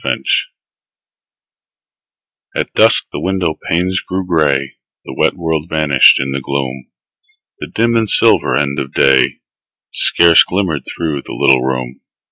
FORGIVENESS At dusk the window panes grew grey; The wet world vanished in the gloom; The dim and silver end of day Scarce glimmered through the little room.